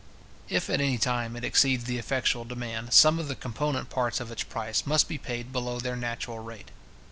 If at any time it exceeds the effectual demand, some of the component parts of its price must be paid below their natural rate.